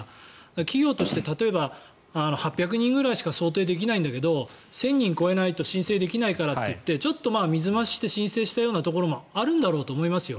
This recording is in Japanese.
企業として、例えば８００人ぐらいしか想定できないんだけど１０００人超えないと申請できないからといってちょっと水増しして申請したようなところもあるんだろうと思いますよ。